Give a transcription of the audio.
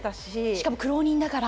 しかも苦労人だから。